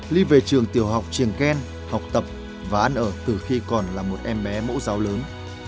ly về trường tiểu học triềng ken học tập và ăn ở từ khi còn là một em bé mẫu giáo lớn